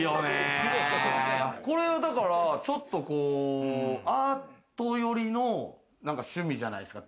これはちょっとアート寄りの趣味じゃないですか？